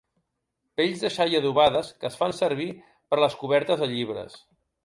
Pells de xai adobades que es fan servir per a les cobertes de llibres.